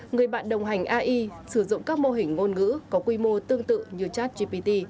người bạn đồng hành ai sử dụng các mô hình ngôn ngữ có quy mô tương tự như chat gpt